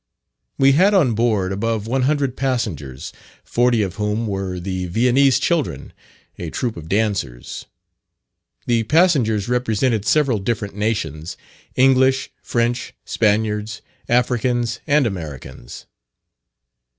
We had on board above one hundred passengers, forty of whom were the "Viennese children" a troop of dancers. The passengers represented several different nations, English, French, Spaniards, Africans, and Americans.